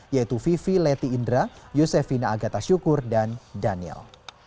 yaitu vivi leti indra yosefina agata syukur dan daniel